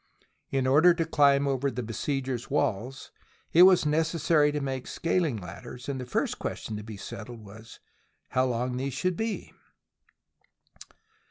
In order to climb over the besiegers' walls, it was necessary to make scaling ladders, and the first question to be settled was how long these should be.